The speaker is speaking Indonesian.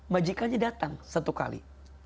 majikanya datang satu kali